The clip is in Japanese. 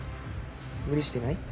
無理してない？